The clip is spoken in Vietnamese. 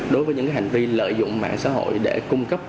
đối với những hành vi lợi dụng mạng xã hội để cung cấp